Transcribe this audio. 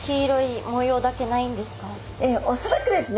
恐らくですね